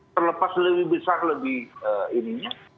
terlepas lebih besar lebih ininya